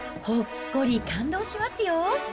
ほっこり感動しますよ。